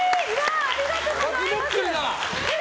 ありがとうございます。